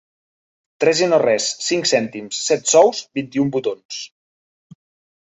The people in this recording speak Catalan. Tres i no res, cinc cèntims, set sous, vint-i-un botons.